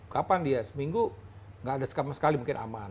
kapan dia seminggu gak ada skam sekali mungkin aman